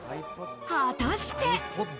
果たして。